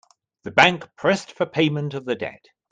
The bank pressed for payment of the debt.